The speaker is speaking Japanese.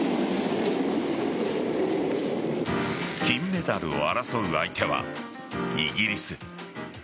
金メダルを争う相手はイギリス。